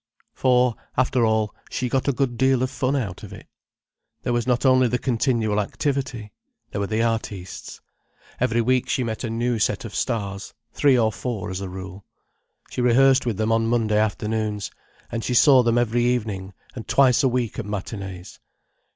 For after all, she got a good deal of fun out of it. There was not only the continual activity. There were the artistes. Every week she met a new set of stars—three or four as a rule. She rehearsed with them on Monday afternoons, and she saw them every evening, and twice a week at matinees.